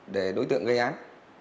để đối tượng gây án